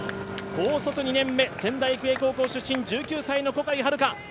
高卒２年目、仙台育英高校出身の小海遥。